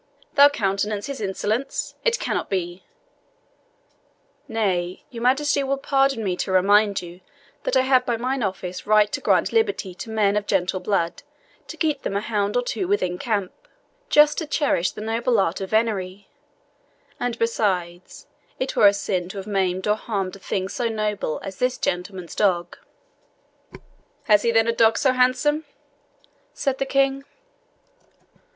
"Thou countenance his insolence? It cannot be." "Nay, your Majesty will pardon me to remind you that I have by mine office right to grant liberty to men of gentle blood to keep them a hound or two within camp, just to cherish the noble art of venerie; and besides, it were a sin to have maimed or harmed a thing so noble as this gentleman's dog." "Has he, then, a dog so handsome?" said the King.